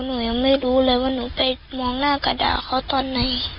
หนูยังไม่รู้เลยว่าหนูไปมองหน้ากระดาเขาตอนไหน